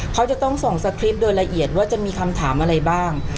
เขาจะต้องส่งสคริปต์โดยละเอียดว่าจะมีคำถามอะไรบ้าง